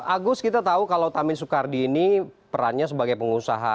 agus kita tahu kalau tamin soekardi ini perannya sebagai pengusaha